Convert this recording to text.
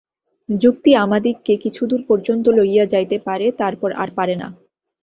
যুক্তি আমাদিগকে কিছুদূর পর্যন্ত লইয়া যাইতে পারে, তারপর আর পারে না।